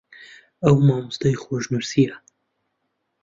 ئەو مامۆستای خۆشنووسییە